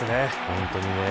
本当にね。